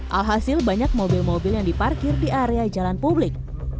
alhasil banyak mobil mobil yang diparkir di area jalan publik